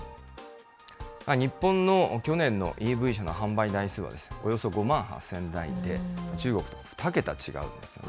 日本の去年のＥＶ車の販売台数はおよそ５万８０００台で、中国と２桁違うんですよね。